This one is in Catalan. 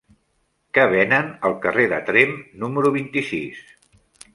Què venen al carrer de Tremp número vint-i-sis?